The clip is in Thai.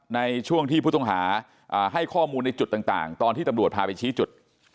ในช่วงที่ผู้ต้องหาให้ข้อมูลในจุดต่างตอนที่ตำรวจพาไปชี้จุด